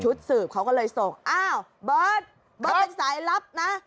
สืบเขาก็เลยส่งอ้าวเบิร์ตเบิร์ตเป็นสายลับนะ